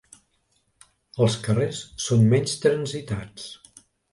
Els carrers són menys transitats.